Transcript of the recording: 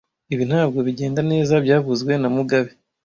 Ibi ntabwo bigenda neza byavuzwe na mugabe